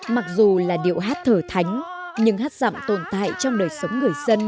mặc dù là điệu hát thở thánh nhưng hát dặm tồn tại trong đời sống người dân